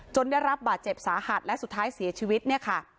ได้รับบาดเจ็บสาหัสและสุดท้ายเสียชีวิตเนี่ยค่ะ